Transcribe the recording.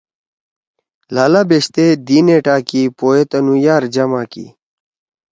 لالا بیشتے دی نِٹا کی۔ پویے تُونُو یار جما کی۔